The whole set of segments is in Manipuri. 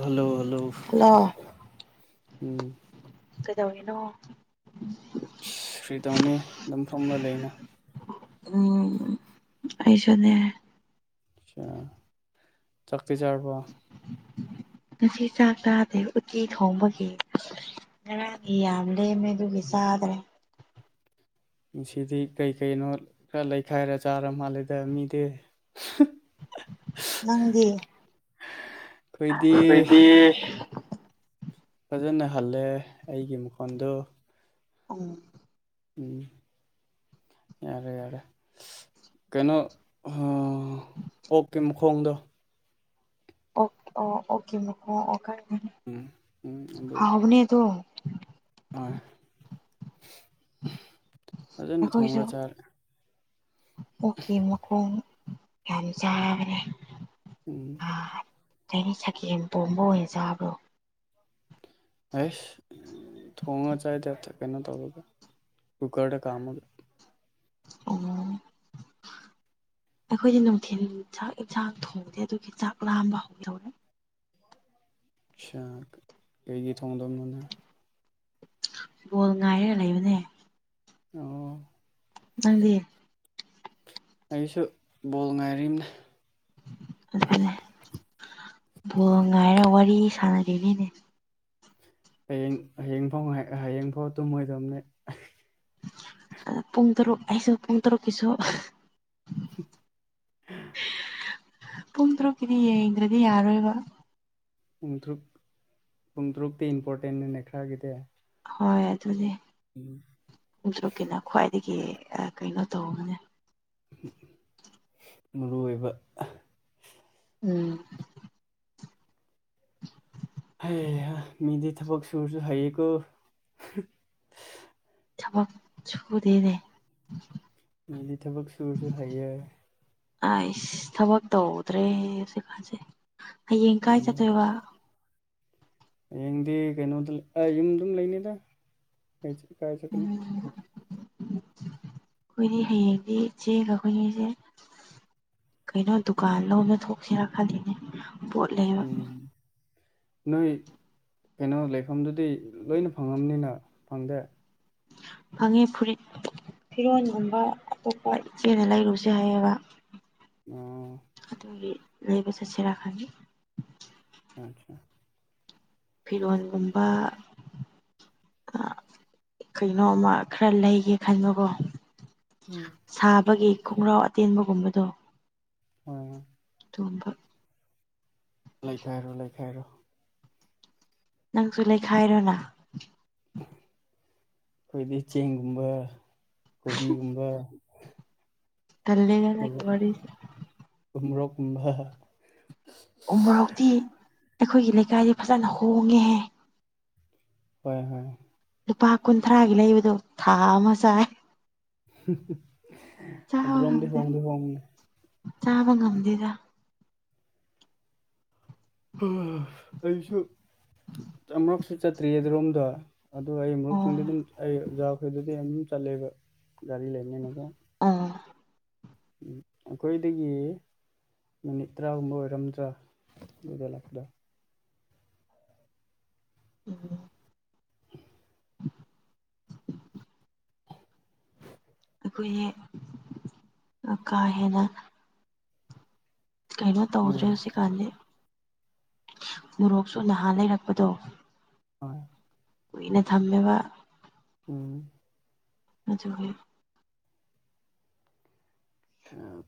ꯍꯜꯂꯣ ꯍꯜꯂꯣ ꯍꯜꯂꯣ ꯎꯝ ꯀꯗꯧꯔꯤꯅꯣ ꯐ꯭ꯔꯤ ꯇꯧꯅꯤ ꯑꯗꯨꯝ ꯐ꯭ꯔꯝꯅ ꯂꯩꯅ ꯎꯝ ꯑꯩꯁꯨꯅꯦ ꯑ ꯆꯥꯛꯇ ꯆꯥꯔꯄ ꯉꯁꯤ ꯆꯥꯛ ꯇꯥꯗꯦ ꯎꯆꯤ ꯊꯣꯡꯕꯒꯤ ꯅ ꯏ ꯌꯥꯝ ꯂꯦꯝꯃꯦ ꯑꯗꯨꯒꯤ ꯆꯥꯗ꯭ꯔꯦ ꯁꯤꯗꯤ ꯀꯩ ꯀꯩꯅꯣ ꯈꯔ ꯂꯩꯈꯥꯏꯔ ꯆꯥꯔ ꯃꯥꯜꯂꯦꯗ ꯃꯤꯗꯤ ꯅꯪꯗꯤ ꯑꯩꯈꯣꯏꯗꯤ ꯐꯖꯅ ꯍꯜꯂꯦ ꯑꯩꯒꯤ ꯃꯈꯣꯟꯗꯨꯣ ꯑꯝ ꯎꯝ ꯌꯥꯔꯦ ꯌꯥꯔꯦ ꯀꯩꯅꯣ ꯑꯥ ꯑꯣꯀꯦ ꯃꯈꯣꯡꯗꯣ ꯑꯣ ꯑꯣ ꯑꯣꯀꯦ ꯃ ꯑꯣ ꯎꯝ ꯎꯝ ꯑꯗꯣ ꯃꯤꯗꯣ ꯎꯝ ꯑꯈꯣꯢꯁꯨ ꯑꯣꯀꯤ ꯃꯈꯣꯡ ꯌꯥꯝ ꯆꯥꯕꯅꯦ ꯎꯝ ꯑ ꯑꯩꯅ ꯁꯒꯦꯝ ꯄꯣꯝꯕ ꯑꯣꯏꯅ ꯆꯥꯕ꯭ꯔꯣ ꯑꯩꯁ ꯊꯣꯡꯉ ꯆꯥꯏꯗꯦ ꯀꯩꯅꯣ ꯇꯧꯔꯒ ꯀꯨꯀꯔꯗ ꯀꯥꯝꯃꯒ ꯑꯣ ꯑꯩꯈꯣꯏꯗꯤ ꯅꯨꯡꯊꯤꯜ ꯆꯥꯛ ꯌꯦꯟꯁꯥꯡ ꯊꯣꯡꯗꯦ ꯑꯗꯨꯒꯤ ꯆꯥꯛ ꯂꯥꯝꯕ ꯍꯧꯗꯧꯔꯦ ꯁꯥ ꯀꯩꯒꯤ ꯊꯣꯡꯗꯕꯅꯣꯅꯦ ꯕꯣꯜ ꯉꯥꯏꯔꯒ ꯂꯩꯕꯅꯦ ꯑꯣ ꯗꯨꯕꯤ [unintelligible] ꯑꯩꯁꯨ ꯕꯣꯜ ꯉꯥꯏꯔꯤꯝꯅ ꯑꯗꯨ ꯕꯣꯜ ꯉꯥꯏꯔ ꯋꯥꯔꯤ ꯁꯥꯔꯤꯅꯤꯅꯦ ꯍꯌꯦꯡ ꯍꯌꯦꯡ ꯐꯥꯎ ꯍꯌꯦꯡꯐꯥꯎ ꯇꯨꯝꯃꯣꯏꯗꯕꯅꯦ ꯄꯨꯡ ꯇꯔꯨꯛ ꯍꯥꯏꯁ ꯄꯨꯡ ꯇꯔꯨꯛꯀꯤꯁꯨ [unintelligible] ꯄꯨꯡ ꯇꯔꯨꯛꯀꯤꯗꯤ ꯌꯦꯡꯗ꯭ꯔꯗꯤ ꯌꯥꯔꯣꯏꯕ ꯄꯨꯡꯇ꯭ꯔꯨꯛ ꯄꯨꯡꯇ꯭ꯔꯨꯛꯇꯤ ꯏꯝꯄꯣꯔꯇꯦꯟꯅꯅꯦ ꯃꯈꯥꯒꯤꯗꯤ ꯍꯣꯏ ꯑꯗꯨꯅꯦ ꯎꯝ ꯍꯡꯇꯨꯀꯤꯅ ꯈ꯭ꯋꯥꯏꯗꯒꯤ ꯀꯩꯅꯣ ꯇꯧꯕꯅꯦ ꯃꯔꯨ ꯑꯣꯏꯕ ꯎꯝ [unintelligible] ꯍꯩ ꯍꯥ ꯃꯤꯗꯤ ꯊꯕꯛ ꯁꯨꯔꯁꯨ ꯍꯩꯌꯦꯀꯣ ꯊꯄꯛ ꯁꯨꯗꯦꯅꯦ ꯃꯗꯤ ꯊꯕꯛ ꯁꯨꯔꯁꯨ ꯍꯩꯌꯦ ꯑꯩꯁ ꯊꯕꯛ ꯇꯧꯗ꯭ꯔꯦ ꯍꯧꯖꯤꯛ ꯀꯥꯟꯁꯦ ꯍꯌꯦꯡ ꯀꯥꯏ ꯆꯠꯇꯣꯏꯕ ꯍꯌꯦꯡꯗꯤ ꯀꯩꯅꯣꯗ ꯌꯨꯝꯗꯨꯝ ꯂꯩꯅꯤꯗ ꯀꯥꯏ ꯆꯠꯀꯅꯤ ꯎꯝ ꯑꯩꯈꯣꯏꯗꯤ ꯍꯌꯦꯡꯗꯤ ꯏꯆꯦꯒ ꯑꯩꯈꯣꯏꯅꯤꯁꯦ ꯀꯩꯅꯣ ꯗꯨꯀꯥꯟ ꯂꯣ ꯑꯃ ꯊꯣꯛꯁꯤꯔ ꯈꯜꯂꯤꯅꯦ ꯄꯣꯠ ꯂꯩꯕ ꯎꯝ ꯅꯣꯏ ꯀꯩꯅꯣ ꯂꯩꯐꯝꯗꯨꯗꯤ ꯂꯣꯏꯅ ꯐꯪꯉꯝꯅꯤꯅ ꯐꯪꯗꯦ ꯐꯪꯉꯦ ꯐꯨꯔꯤꯠ ꯐꯤꯔꯣꯟꯒꯨꯝꯕ ꯑꯇꯣꯞꯄ ꯏꯆꯦꯅ ꯂꯩꯔꯨꯁꯦ ꯍꯥꯏꯌꯦꯕ ꯎꯝ ꯒꯤ ꯂꯩꯕ ꯆꯠꯁꯦꯔꯥ ꯈꯥꯏꯒꯦ ꯑꯆꯥ ꯐꯤꯔꯣꯜꯒꯨꯝꯕ ꯀꯩꯅꯣꯝꯃ ꯈꯔ ꯂꯩꯒꯦ ꯈꯟꯕꯀꯣ ꯎꯝ ꯁꯥꯕꯒꯤ ꯈꯣꯡꯒ꯭ꯔꯥꯎ ꯑꯇꯦꯟꯕꯒꯨꯝꯕꯗꯣ ꯑꯥ ꯇꯣꯝꯕ ꯂꯩꯈꯥꯏꯔꯣ ꯂꯩꯈꯥꯏꯔꯣ ꯅꯪꯁꯨ ꯂꯩꯈꯥꯏꯔꯣꯅ ꯑꯩꯈꯣꯏꯗꯤ ꯆꯦꯡꯒꯨꯝꯕ ꯀꯣꯕꯤꯒꯨꯝꯕ ꯇꯜꯂꯦꯗ ꯅꯪꯒꯤ ꯋꯥꯔꯤꯁꯤ ꯎꯝꯃꯣꯔꯣꯛ ꯀꯨꯝꯕ ꯍꯥ ꯎ ꯃꯣꯔꯣꯛꯇꯤ ꯑꯩꯈꯣꯏꯒꯤ ꯂꯩꯀꯥꯏꯗꯤ ꯐꯖꯅ ꯍꯣꯡꯉꯦꯍꯦ ꯍꯣꯏ ꯍꯣꯏ ꯂꯨꯄꯥ ꯀꯨꯟꯊ꯭ꯔꯥꯒꯤ ꯂꯩꯕꯗꯣ ꯊꯥ ꯑꯃ ꯆꯥꯏ ꯍ ꯍꯝ [inaudible] [inaudible] ꯆꯥꯕ ꯉꯝꯗꯦ ꯆꯥꯕ ꯉꯝꯗꯦꯗ ꯑꯩꯁꯨ ꯑꯃꯔꯛꯁꯨ ꯆꯠꯇ꯭ꯔꯤꯌꯦ ꯑꯗꯨꯔꯣꯝꯗ ꯑꯗꯣ ꯑꯩ ꯑꯣ ꯃꯔꯨꯞꯁꯤꯡꯗ ꯑꯗꯨꯝ ꯑꯩ ꯑꯣꯖꯥꯈꯣꯏꯗꯗꯤ ꯑꯗꯨꯝ ꯆꯠꯂꯦꯕ ꯒꯥꯔꯤ ꯂꯩꯕꯅꯤꯅꯀꯣ ꯑꯥ ꯎꯝ ꯑꯩꯈꯣꯏꯗꯒꯤ ꯃꯤꯅꯤꯠ ꯇꯔꯥꯒꯨꯝꯕ ꯑꯣꯏꯔꯝꯗ꯭ꯔꯥ ꯅꯣꯏꯗ ꯂꯥꯛꯄꯗ ꯎꯝ ꯀꯨꯏꯌꯦ ꯑꯀꯥ ꯍꯦꯟꯅ ꯀꯩꯅꯣ ꯎꯝ ꯇꯧꯗ꯭ꯔꯦ ꯍꯧꯖꯤꯛꯀꯥꯟꯗꯤ ꯃꯣꯔꯣꯛꯁꯨ ꯅꯍꯥꯟ ꯂꯩꯔꯛꯄꯗꯣ ꯍꯣꯏ ꯀꯨꯏꯅ ꯊꯝꯃꯦꯕ ꯎꯝ ꯑꯗꯨꯒꯤ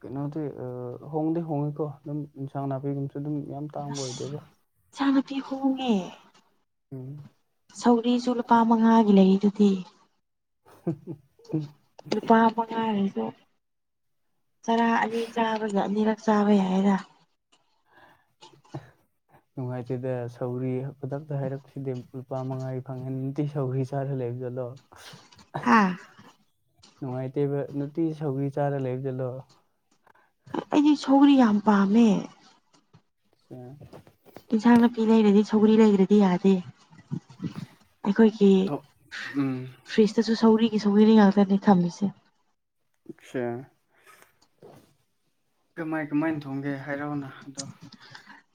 ꯀꯩꯅꯣꯗꯤ ꯑ ꯍꯣꯡꯗꯤ ꯍꯣꯡꯉꯤꯀꯣ ꯑꯗꯨꯝ ꯏꯟꯁꯥꯡ ꯅꯥꯄꯤꯒꯨꯝꯕ ꯁꯨ ꯑꯗꯨꯝ ꯌꯥꯝ ꯇꯥꯡꯕ ꯑꯣꯏꯗꯦꯗ ꯑꯁ ꯏꯆꯥ ꯅꯨꯨꯄꯤ ꯍꯣꯡꯉꯦ ꯎꯝ ꯁꯧꯔꯤꯁꯨ ꯂꯨꯄꯥ ꯃꯉꯥꯒꯤ ꯂꯩꯔꯤꯗꯨꯗꯤ ꯎꯝ ꯎ ꯂꯨꯄꯥ ꯃꯉꯥꯁꯤꯁꯨ ꯆꯔꯥ ꯑꯅꯤ ꯆꯥꯕꯗ ꯑꯅꯤꯔꯛ ꯆꯥꯕ ꯌꯥꯏꯌꯦꯗ [inaudible] ꯅꯨꯡꯉꯥꯏꯇꯦꯗ ꯁꯧꯒ꯭ꯔꯤ ꯈꯨꯗꯛꯇ ꯍꯥꯏꯔꯛꯄꯁꯤꯗꯤ ꯂꯨꯄꯥ ꯃꯉꯥꯒꯤ ꯐꯪꯍꯟꯅꯨꯡꯇꯤ ꯁꯧꯔꯤ ꯆꯥꯔ ꯂꯩꯕꯖꯠꯂꯣ ꯍꯥꯥ ꯅꯨꯡꯉꯥꯏꯇꯦꯕ ꯅꯨꯡꯇꯤ ꯁꯧꯒ꯭ꯔꯤ ꯆꯥꯔ ꯂꯩꯕꯖꯥꯠꯂꯣ ꯑꯩꯗꯤ ꯁꯧꯒꯔꯤ ꯌꯥꯝ ꯄꯥꯝꯃꯦ ꯑ ꯏꯟꯁꯥꯡ ꯅꯥꯄꯤ ꯂꯩꯔꯗꯤ ꯁꯧꯒ꯭ꯔꯤ ꯂꯩꯗ꯭ꯔꯗꯤ ꯌꯥꯗꯦ ꯑꯩꯈꯣꯏꯒꯤ ꯑꯗꯣ ꯎꯝ ꯐ꯭ꯔꯤꯖꯇꯁꯨ ꯁꯧꯒ꯭ꯔꯤꯒꯤ ꯁꯧꯒ꯭ꯔꯤ ꯉꯥꯛꯇꯅꯦ ꯊꯝꯃꯤꯁꯦ ꯑꯁꯦ ꯀꯃꯥꯏ ꯀꯃꯥꯏꯅ ꯊꯣꯡꯒꯦ ꯍꯥꯏꯔꯛꯑꯣꯅ ꯑꯗꯣ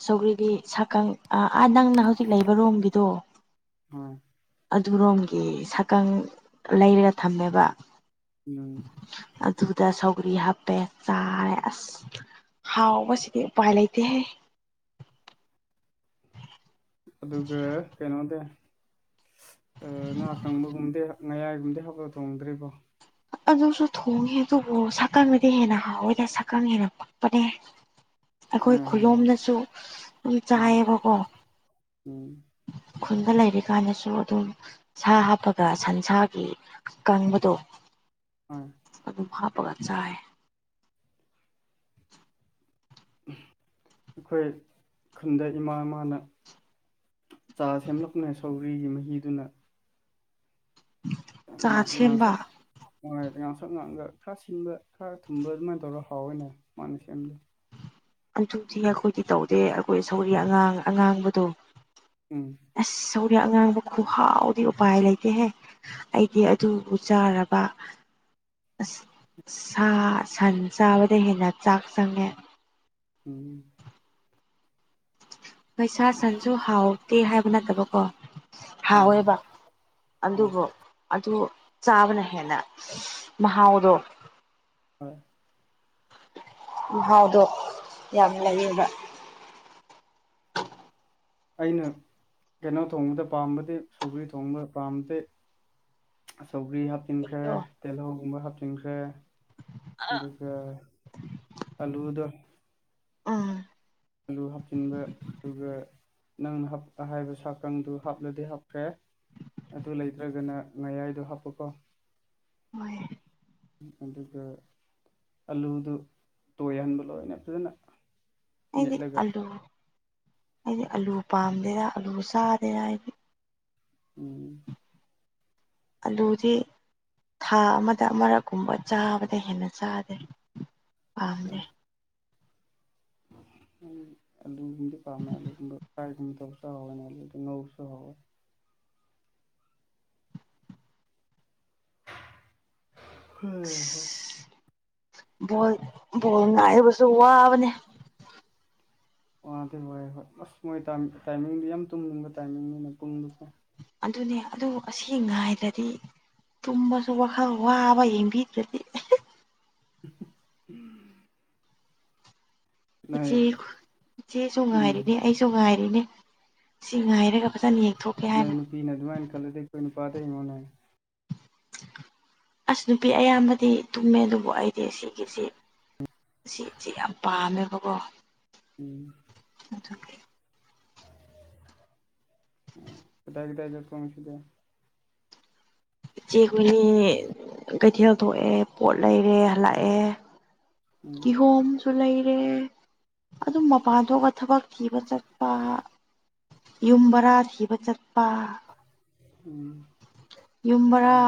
ꯁꯧꯒ꯭ꯔꯤꯒꯤ ꯁꯛꯀꯪ ꯑꯥ ꯅꯪꯅ ꯍꯧꯖꯤꯛ ꯂꯩꯕ ꯔꯣꯝꯒꯤꯗꯣ ꯎꯝ ꯑꯗꯨꯔꯣꯝꯒꯤ ꯁꯛꯀꯪ ꯂꯩꯔꯒ ꯊꯝꯃꯦꯕ ꯎꯝ ꯑꯗꯨꯗ ꯁꯧꯒꯔꯤ ꯍꯥꯞꯄꯦ ꯆꯥꯔꯦ ꯑꯁ ꯍꯥꯎꯕꯁꯤꯗꯤ ꯎꯄꯥꯏ ꯂꯩꯇꯦ ꯍꯦ ꯑꯗꯨꯒ ꯀꯩꯅꯣꯗꯦ ꯉꯥ ꯀꯪꯕꯒꯨꯝꯗꯤ ꯉꯌꯥꯏꯒꯨꯝꯗꯤ ꯍꯄ ꯊꯣꯡꯗ꯭ꯔꯤꯕꯣ ꯑꯗꯨꯁꯨ ꯊꯣꯡꯉꯦ ꯑꯗꯨꯕꯨ ꯁꯛꯀꯪꯅꯗꯤ ꯍꯦꯟꯅ ꯍꯥꯎꯋꯦꯗ ꯁꯛꯀꯪ ꯍꯦꯟꯅ ꯄꯥꯝ ꯄꯅꯦ ꯑꯩꯈꯣꯏ ꯍꯣꯏ ꯍꯣꯏ ꯈꯨꯌꯣꯝꯗꯁꯨ ꯑꯗꯨꯝ ꯎꯝ ꯆꯥꯏꯌꯦꯕꯀꯣ ꯎꯝ ꯈꯨꯟꯗ ꯂꯩꯔꯤꯀꯥꯟꯗꯁꯨ ꯑꯗꯨꯝ ꯁꯥ ꯍꯥꯞꯄꯒ ꯁꯟꯁꯥꯒꯤ ꯀꯪꯕꯗꯣ ꯑꯝ ꯑꯗꯨꯝ ꯍꯥꯞꯄꯒ ꯆꯥꯏ ꯑꯩꯈꯣꯏ ꯈꯨꯟꯗ ꯏꯃꯥ ꯑꯃꯅ ꯆꯥ ꯁꯦꯝꯂꯛꯄꯅꯦ ꯁꯧꯒ꯭ꯔꯤꯒꯤ ꯃꯍꯤꯗꯨꯅ ꯆꯥ ꯉꯥꯡ ꯁꯦꯝꯕ ꯉꯥꯡꯁꯛ ꯍꯣꯏ ꯉꯥꯡꯁꯪ ꯉꯥꯡꯉꯒ ꯈꯔ ꯁꯤꯟꯕ ꯈꯔ ꯊꯨꯝꯕ ꯑꯗꯨꯃꯥꯏꯅ ꯇꯧꯔꯒ ꯍꯥꯎꯋꯦꯅꯦ ꯃꯥꯅ ꯁꯦꯝꯃꯗꯤ ꯑꯗꯨꯗꯤ ꯑꯩꯈꯣꯏꯗꯤ ꯇꯧꯗꯦ ꯑꯩꯈꯣꯏ ꯁꯧꯒ꯭ꯔꯤ ꯑꯉꯥꯡ ꯑꯉꯥꯡꯕꯗꯣ ꯎꯝ ꯑꯁ ꯁꯧꯒ꯭ꯔꯤ ꯑꯉꯥꯡꯕ ꯈꯨꯍꯥꯎꯗꯤ ꯎꯄꯥꯏ ꯂꯩꯇꯦꯍꯦ ꯑꯩꯗꯤ ꯑꯗꯨꯕꯨ ꯆꯥꯔꯕ ꯑꯁ ꯁꯥ ꯁꯟ ꯆꯥꯕꯗꯩ ꯍꯦꯟꯅ ꯆꯥꯛ ꯆꯪꯉꯦ ꯎꯝ ꯍꯣꯏ ꯁꯥ ꯁꯟꯁꯨ ꯍꯥꯎꯇꯦ ꯍꯥꯏꯕ ꯅꯠꯇꯕꯀꯣ ꯑꯥ ꯍꯥꯎꯋꯦꯕ ꯑꯥ ꯑꯗꯨꯕꯨ ꯑꯗꯨ ꯆꯥꯕꯅ ꯍꯦꯟꯅ ꯃꯍꯥꯎꯗꯣ ꯍꯣꯏ ꯃꯍꯥꯎꯗꯣ ꯌꯥꯝ ꯂꯩꯌꯦꯕ ꯑꯩꯅ ꯀꯩꯅꯣ ꯊꯣꯡꯕꯗ ꯄꯥꯝꯕꯗꯤ ꯁꯧꯒ꯭ꯔꯤ ꯊꯣꯡꯕꯗ ꯄꯥꯝꯕꯗꯤ ꯁꯧꯒ꯭ꯔꯤ ꯍꯥꯞꯆꯤꯟꯈ꯭ꯔꯦ ꯀꯔꯤꯅꯣ ꯇꯤꯜꯍꯧꯒꯨꯝꯕ ꯍꯥꯞꯆꯤꯟꯈ꯭ꯔꯦ ꯑꯗꯨꯒ ꯑꯂꯨꯗꯣ ꯎꯝ ꯑꯗꯨ ꯍꯥꯞꯆꯤꯟꯕ ꯑꯗꯨꯒ ꯅꯪꯅ ꯍꯥꯞꯄꯦ ꯍꯥꯏꯕ ꯁꯥꯀꯪꯗꯨ ꯍꯥꯞꯂꯗꯤ ꯍꯥꯞꯈ꯭ꯔꯦ ꯑꯗꯨ ꯂꯩꯇ꯭ꯔꯒꯅ ꯉꯌꯥꯏꯗꯣ ꯍꯥꯞꯄꯨꯀꯣ ꯋꯥꯏꯌꯦ ꯑꯗꯨꯒ ꯑꯂꯨꯗꯨ ꯇꯣꯏꯍꯟꯕ ꯂꯣꯏꯅ ꯐꯖꯅ ꯑꯩꯗꯤ ꯃꯦꯠꯂꯒ ꯑꯥꯂꯨ ꯑꯩꯗꯤ ꯑꯂꯨ ꯄꯥꯝꯗꯦꯗꯥ ꯑꯥꯂꯨ ꯆꯥꯗꯦꯗ ꯑꯩꯗꯤ ꯎꯝ ꯑꯂꯨꯗꯤ ꯊꯥ ꯑꯃꯗ ꯑꯃꯔꯛꯀꯨꯝꯕ ꯆꯥꯕꯗꯩ ꯍꯦꯟꯅ ꯆꯥꯗꯦ ꯄꯥꯝꯗꯦ ꯎꯝ ꯑꯂꯨꯕꯨꯗꯤ ꯄꯥꯝꯃꯦ ꯑꯂꯨꯒꯨꯝꯕ ꯉꯧꯕꯁꯨ ꯍꯥꯎꯋꯦ ꯍꯣꯏꯍꯦ [inaudible] ꯕꯣꯜ ꯕꯣꯜ ꯉꯥꯏꯕꯁꯨ ꯋꯥꯕꯅꯤ ꯋꯥꯗꯤ ꯋꯥꯏꯌꯦꯕ ꯑꯁ ꯃꯣꯏ ꯇꯥꯏꯃꯤꯡꯗꯤ ꯌꯥꯝ ꯇꯨꯝꯅꯤꯡꯕ ꯇꯥꯏꯃꯤꯡꯅꯤꯅ ꯄꯨꯡꯗꯨꯀꯣ ꯑꯗꯨꯅꯦ ꯑꯗꯨ ꯑꯁꯤ ꯉꯥꯏꯗ꯭ꯔꯗꯤ ꯇꯨꯝꯕꯁꯨ ꯋꯥꯈꯜ ꯋꯥꯕ ꯌꯦꯡꯕꯤꯗ꯭ꯔꯗꯤ ꯎꯝ ꯏꯆꯦ ꯏꯆꯦꯁꯨ ꯉꯥꯏꯔꯤꯅꯦ ꯎꯝ ꯑꯩꯁꯨ ꯉꯥꯏꯔꯤꯅꯦ ꯁꯤ ꯉꯥꯏꯔꯒ ꯐꯖꯅ ꯌꯦꯡꯒꯦ ꯅꯣꯏ ꯅꯨꯄꯤꯅ ꯑꯗꯨꯃꯥꯏꯅ ꯈꯜꯂꯗꯤ ꯑꯩꯈꯣꯏ ꯅꯨꯄꯥꯗꯩ ꯏꯉꯅꯦ ꯑꯁ ꯅꯨꯄꯤ ꯑꯌꯥꯝꯕꯗꯤ ꯇꯨꯝꯃꯦ ꯑꯗꯨꯕꯨ ꯑꯩꯗꯤ ꯁꯤꯒꯤꯁꯤ ꯁꯤꯁꯦ ꯌꯥꯝ ꯄꯥꯝꯃꯦꯕꯀꯣ ꯎꯝ ꯑꯗꯨꯒꯤ ꯀꯗꯥꯥꯏ ꯀꯗ ꯆꯠ ꯀꯁꯤꯗ ꯏꯆꯦ ꯍꯨꯅꯤ ꯀꯩꯊꯦꯜ ꯊꯣꯛꯑꯦ ꯄꯣꯠ ꯂꯩꯔꯦ ꯍꯂꯛꯑꯦ ꯎꯝ ꯀꯤꯍꯣꯝ ꯁꯨ ꯂꯩꯔꯦ ꯑꯗꯨꯝ ꯃꯄꯥꯟ ꯊꯣꯛꯑꯒ ꯊꯕꯛ ꯊꯤꯕ ꯆꯠꯄ ꯌꯨꯝ ꯕꯔꯥ ꯊꯤꯕ ꯆꯠꯄ ꯎꯝ ꯌꯨꯝꯕꯔꯥ ꯑꯥ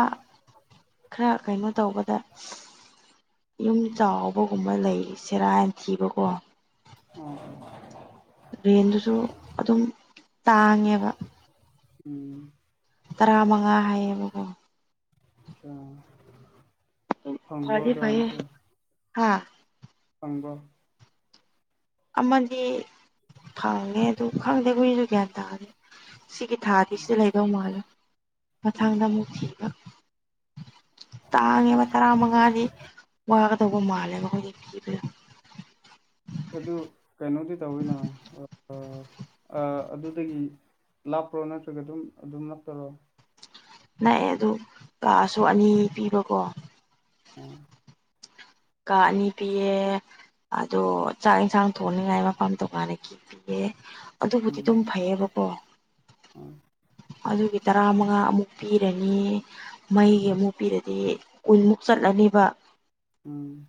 ꯈꯔ ꯀꯩꯅꯣ ꯇꯧꯕꯗ ꯌꯨꯝ ꯆꯥꯎꯕꯒꯨꯝꯕ ꯂꯩꯁꯤꯔꯥꯅꯊꯤꯕꯀꯣ ꯎꯝ ꯔꯦꯟꯗꯨꯁꯨ ꯑꯗꯨꯝ ꯇꯥꯡꯉꯦꯕ ꯎꯝ ꯇꯔꯥꯃꯉꯥ ꯍꯥꯏꯌꯦꯕꯀꯣ ꯑ ꯐꯪꯕ꯭ꯔꯣ ꯑꯗꯣꯝꯗꯗꯤ ꯍꯥꯥ ꯐꯪꯕꯔꯣ ꯑꯃꯗꯤ ꯐꯪꯉꯦ ꯑꯗꯨ ꯈꯪꯗꯦ ꯑꯩꯈꯣꯏꯁꯨ ꯒ꯭ꯌꯥꯟ ꯇꯥꯔꯅꯤ ꯁꯤꯒꯤ ꯊꯥꯗꯤ ꯁꯤꯗ ꯂꯩꯗꯧ ꯃꯥꯜꯂꯦ ꯃꯊꯪꯗ ꯑꯃꯨꯛ ꯊꯤꯕ ꯇꯥꯡꯉꯦꯕ ꯇꯔꯥ ꯃꯉꯥꯗꯤ ꯋꯥꯒꯗꯧꯕ ꯃꯥꯜꯂꯦꯕ ꯍꯧꯈꯣꯏꯖꯤꯛ ꯄꯤꯕꯗꯣ ꯑꯗꯨ ꯀꯩꯅꯣꯗꯤ ꯇꯧꯋꯤꯅ ꯑꯗꯨꯗꯒꯤ ꯂꯥꯞꯄ꯭ꯔꯣ ꯅꯠꯇ꯭ꯔꯒ ꯑꯗꯨꯝ ꯑꯗꯨꯝ ꯅꯞꯄꯔꯣ ꯅꯥꯛꯑ ꯑꯗꯨ ꯀꯥꯁꯨ ꯑꯅꯤ ꯄꯤꯕꯀꯣ ꯎꯝ ꯀꯥ ꯑꯅꯤ ꯄꯤꯌꯦ ꯑꯗꯣ ꯆꯥꯛ ꯌꯦꯟꯁꯥꯡ ꯊꯣꯡꯅꯤꯡꯉꯥꯏ ꯃꯐꯝ ꯇꯣꯉꯥꯟꯅ ꯀꯤ ꯄꯤꯌꯦ ꯑꯗꯨꯕꯨꯗꯤ ꯎꯝ ꯑꯗꯨꯝ ꯐꯩꯌꯦꯕꯀꯣ ꯎꯝ ꯑꯗꯨꯒꯤ ꯇꯔꯥꯃꯉꯥ ꯑꯃꯨꯛ ꯄꯤꯔꯅꯤ ꯃꯩꯒꯤ ꯑꯃꯨ ꯄꯤꯔꯗꯤ ꯀꯨꯟꯃꯨꯛ ꯆꯠꯂꯅꯦꯕ ꯎꯝ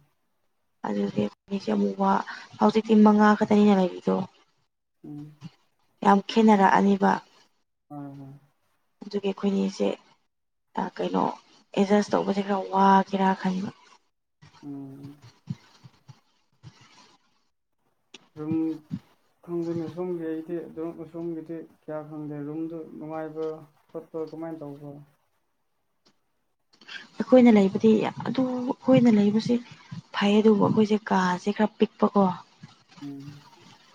ꯑꯗꯨꯗꯤ ꯐꯁꯦ ꯑꯃꯨꯛ ꯋꯥ ꯍꯧꯖꯤꯛꯇꯤ ꯃꯉꯥ ꯈꯛꯇꯅꯤꯅ ꯂꯩꯕꯤꯗꯣ ꯎꯝ ꯌꯥꯝ ꯈꯦꯅꯔꯛꯑꯅꯤꯕ ꯍꯣꯏ ꯍꯣꯏ ꯑꯗꯨꯒꯤ ꯑꯩꯈꯣꯏꯅꯤꯁꯦ ꯀꯩꯅꯣ ꯑꯦꯠꯖꯁ ꯇꯧꯕꯁꯦ ꯈꯔ ꯋꯥꯒꯦꯔꯥ ꯈꯟꯕ ꯎꯝ ꯑꯗꯨꯝ ꯈꯪꯗꯅꯤ ꯁꯣꯝꯒꯤ ꯑꯩꯗꯤ ꯑꯗꯨꯝ ꯁꯣꯝꯒꯤꯗꯤ ꯀꯌꯥ ꯈꯪꯗꯦ ꯔꯨꯝꯗꯨ ꯅꯨꯡꯉꯥꯏꯕ ꯐꯖꯕꯔꯥ ꯀꯃꯥꯏꯅ ꯇꯧꯕ ꯑꯩꯈꯣꯏꯅ ꯂꯩꯕꯗꯤ ꯑꯗꯨ ꯑꯩꯈꯣꯏꯅ ꯂꯩꯕꯁꯦ ꯐꯩ ꯑꯗꯨꯕꯨ ꯑꯩꯈꯣꯏꯁꯦ ꯀꯥꯁꯦ ꯈꯔ ꯄꯤꯛꯄꯀꯣ ꯎꯝ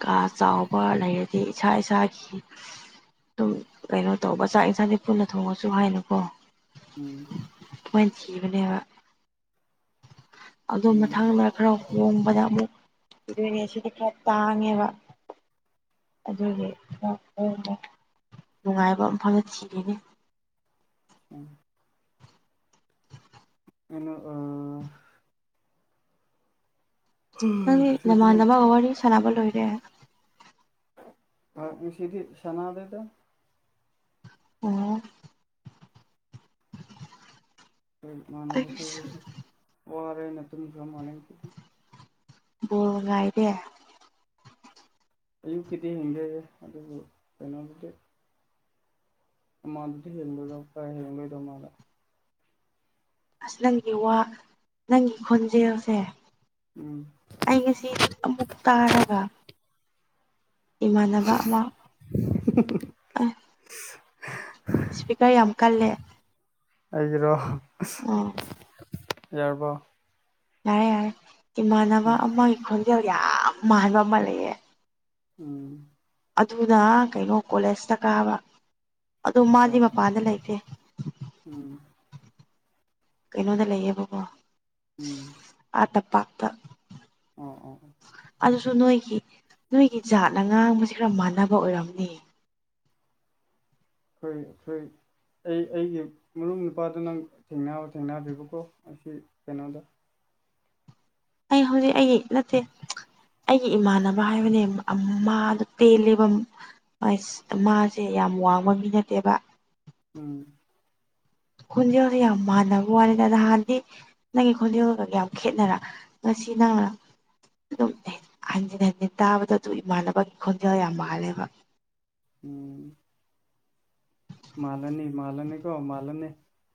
ꯀꯥ ꯆꯥꯎꯕ ꯂꯩꯔꯗꯤ ꯏꯁꯥ ꯏꯁꯥꯒꯤ ꯑꯗꯨꯝ ꯀꯩꯅꯣ ꯇꯧꯕ ꯆꯥꯛ ꯌꯦꯟꯁꯥꯡꯗꯤ ꯄꯨꯟꯅ ꯊꯣꯡꯉꯁꯨ ꯍꯥꯏꯅꯨꯀꯣ ꯎꯝ ꯍꯣꯏ ꯊꯤꯕꯅꯦꯕ ꯑꯗꯨ ꯎꯝ ꯃꯊꯪꯗ ꯈꯔ ꯍꯣꯡꯕꯗ ꯑꯃꯨꯛ ꯏꯗꯣꯏꯅꯦ ꯁꯤꯗꯤ ꯈꯔ ꯇꯥꯡꯉꯦꯕ ꯑꯗꯨꯒꯤ ꯅꯨꯡꯉꯥꯏꯕ ꯃꯐꯝꯗ ꯊꯤꯔꯤꯅꯤ ꯎꯝ ꯑꯩꯅꯣ ꯑ ꯅꯪꯒꯤ ꯆꯇ꯭ꯔꯨꯛ ꯅꯃꯥꯟꯅꯕꯒ ꯋꯥꯔꯤ ꯁꯥꯟꯅꯕ ꯂꯣꯏꯔꯦ ꯀꯥꯔꯗ ꯄꯤꯁꯤꯗꯤ ꯁꯅꯥꯗꯦꯗ ꯑꯣ ꯎꯝ ꯃꯥꯟꯅꯕ ꯑꯩꯁꯨ ꯈꯔꯁꯨ ꯋꯥꯔꯦꯅ ꯇꯨꯝꯈ꯭ꯔꯃꯥꯅꯦ ꯕꯣꯜ ꯉꯥꯏꯗꯦ ꯑꯌꯨꯛꯀꯤꯗꯤ ꯍꯦꯟꯗꯦ ꯑꯗꯨꯕꯨ ꯀꯩꯅꯣꯒꯤꯗꯤ ꯃꯗꯨꯗꯤ ꯍꯤꯟꯗ ꯗꯛꯇ ꯍꯣꯏ ꯃꯗ ꯑꯁ ꯅꯪꯒꯤ ꯋꯥ ꯅꯪꯒꯤ ꯈꯣꯟꯖꯦꯜꯁꯦ ꯎꯝ ꯑꯩ ꯉꯁꯤ ꯑꯃꯨꯛ ꯇꯥꯔꯒ ꯏꯃꯥꯟꯅꯕ ꯑꯃ ꯑ ꯏꯁꯄꯤꯀꯔ ꯌꯥꯝ ꯀꯜꯂꯦ ꯑꯩꯒꯤꯔꯣ ꯑꯣ ꯌꯥꯔꯕꯣ ꯌꯥꯔꯦ ꯌꯥꯔꯦ ꯏꯃꯥꯟꯅꯕ ꯎꯝ ꯑꯃꯒꯤ ꯈꯣꯟꯖꯦꯜ ꯌꯥꯝ ꯃꯥꯟꯕ ꯑꯃ ꯂꯩꯌꯦ ꯎꯝ ꯑꯗꯨꯅ ꯀꯩꯅꯣ ꯀꯣꯂꯦꯖꯇ ꯀꯥꯕ ꯑꯣ ꯃꯥꯗꯤ ꯃꯄꯥꯟꯗ ꯂꯩꯇꯦ ꯎꯝ ꯀꯩꯅꯣꯗ ꯂꯩꯌꯦꯕꯀꯣ ꯎꯝ ꯑꯇ ꯄꯥꯛꯇ ꯑꯣ ꯑꯣ ꯑꯣ ꯑꯗꯨꯁꯨ ꯅꯣꯏꯒꯤ ꯅꯣꯏꯒꯤ ꯖꯥꯠꯅ ꯉꯥꯡꯕꯁꯤ ꯈꯔ ꯃꯥꯟꯅꯕ ꯑꯣꯏꯔꯝꯅꯤ [unintelligible] ꯑꯩ ꯑꯩꯒꯤ ꯃꯔꯨꯞ ꯅꯨꯄꯥꯗꯨ ꯅꯪ ꯊꯦꯡꯅ ꯊꯦꯡꯅꯗ꯭ꯔꯤꯕꯀꯣ ꯑꯁꯤ ꯀꯩꯅꯣꯗ ꯑꯩ ꯍꯧꯖꯤꯛ ꯑꯩꯒꯤ ꯅꯠꯇꯦ ꯑꯩꯒꯤ ꯏꯃꯥꯟꯅꯕ ꯍꯥꯏꯕꯅꯦ ꯑꯝ ꯑꯃꯥꯗ ꯇꯦꯜꯂꯤꯕꯝ ꯑꯥꯏꯁ ꯃꯥꯁꯦ ꯌꯥꯝ ꯋꯥꯡꯕ ꯃꯤ ꯅꯠꯇꯦꯕ ꯎꯝ ꯈꯣꯟꯖꯦꯜꯗꯤ ꯌꯥꯝ ꯃꯅꯕꯋꯥꯅꯦꯗ ꯅꯍꯥꯟꯗꯤ ꯅꯪꯒꯤ ꯈꯣꯟꯖꯦꯜꯒ ꯌꯥꯝ ꯈꯦꯠꯅꯔ ꯉꯁꯤ ꯅ ꯑꯗꯨꯝ ꯍꯟꯖꯤꯟ ꯍꯟꯖꯤꯟ ꯇꯥꯕꯗ ꯑꯗꯨ ꯏꯃꯥꯟꯅꯕꯒꯤ ꯈꯣꯟꯖꯦꯜ ꯌꯥꯝ ꯃꯥꯜꯂꯦꯕ ꯎꯝ ꯃꯥꯜꯂꯅꯤ ꯃꯥꯜꯂꯅꯤ ꯀꯣ ꯃꯥꯜꯂꯅꯤ